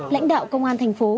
lãnh đạo công an thành phố